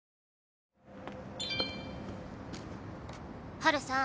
「ハルさん」